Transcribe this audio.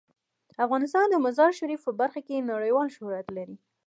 افغانستان د مزارشریف په برخه کې نړیوال شهرت لري.